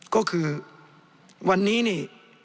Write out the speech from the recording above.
ก็คือวันนี้นี่